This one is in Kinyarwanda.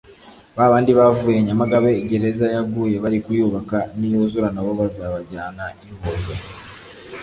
babandi bavuye Nyamagabe gereza yaguye bari kuyubaka n’iyuzura nabo bazabajyana i Huye